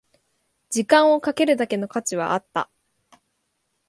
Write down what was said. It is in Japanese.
時間をかけるだけの価値はあった